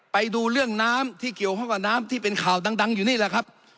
ไปดูเรื่องน้ำที่เกี่ยวข้องกับน้ำที่เป็นข่าวดังอยู่นี่แหละครับ